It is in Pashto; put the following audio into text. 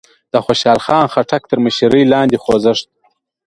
د خوشال خان خټک تر مشرۍ لاندې خوځښت